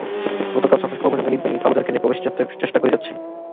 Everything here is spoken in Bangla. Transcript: গতকাল সবশেষ খবর পর্যন্ত এলিট বাহিনী ফালুজার কেন্দ্রে প্রবেশের চেষ্টা করে যাচ্ছে।